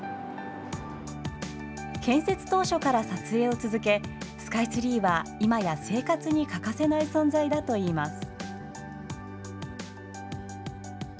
建設当初から撮影を続けスカイツリーはいまや生活に欠かせない存在だといいます。